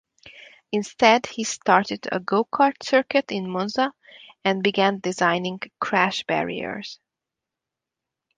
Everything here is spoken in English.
Instead he started a go-kart circuit in Monza and began designing crash barriers.